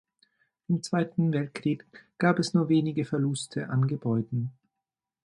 Im Zweiten Weltkrieg gab es nur wenige Verluste an Gebäuden.